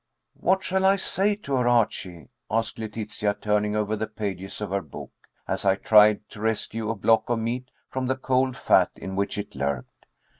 "What shall I say to her, Archie?" asked Letitia, turning over the pages of her book, as I tried to rescue a block of meat from the cold fat in which it lurked.